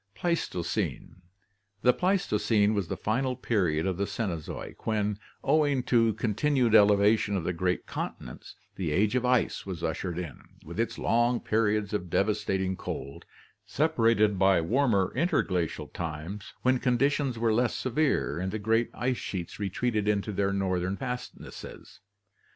Pleistocene. — The Pleistocene was the final period of the Ceno zoic, when, owing to continued elevation of the great continents, the Age of Ice was ushered in, with its long periods of devastating cold, separated by warmer interglacial times when conditions were less severe and the great ice sheets retreated into their northern fastnesses.